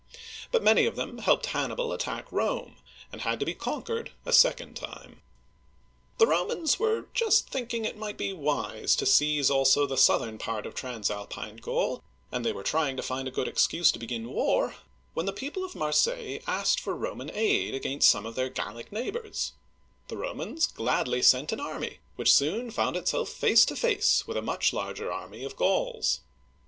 ; but many of them helped Han'nibal attack Rome, and had to be con quered a second time.* * Story of the Romans^ pp. 115 121. ^ Ibid., pp. 128 139. uigiTizea oy ^wnOOQlC 24 OLD FRANCE The Romans were just thinking that it might be wise to seize also the southern part of Transalpine Gaul, and they were trying to find a good excuse to begin war, when the people of Marseilles asked for Roman aid against some of their Gallic neighbors. The Romans gladly sent an army, which soon found itself face to face with a much larger army of Gauls.